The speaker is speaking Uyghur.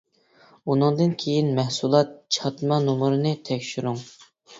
ئۇنىڭدىن كېيىن مەھسۇلات چاتما نومۇرىنى تەكشۈرۈڭ.